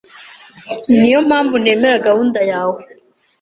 Niyo mpamvu ntemera gahunda yawe.